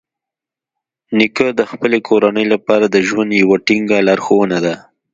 نیکه د خپلې کورنۍ لپاره د ژوند یوه ټینګه لارښونه ده.